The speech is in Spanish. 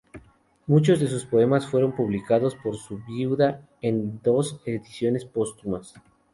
Muchos de su poemas fueron publicados por su viuda en dos ediciones póstumas.